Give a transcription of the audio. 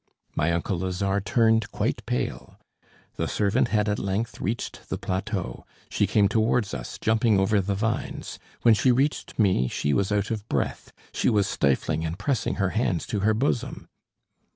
My uncle Lazare turned quite pale. The servant had at length reached the plateau; she came towards us jumping over the vines. When she reached me, she was out of breath; she was stifling and pressing her hands to her bosom.